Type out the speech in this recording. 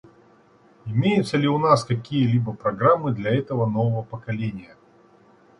Имеются ли у нас какие-либо программы для этого нового поколения?